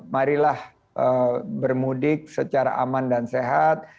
marilah bermudik secara aman dan sehat